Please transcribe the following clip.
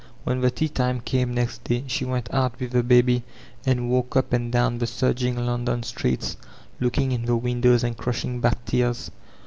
When the tea time came next day she went out with the baby and walked up and down the surging London streets looking in the windows and crushing back tears.